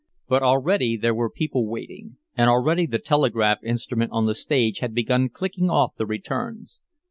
But already there were people waiting, and already the telegraph instrument on the stage had begun clicking off the returns.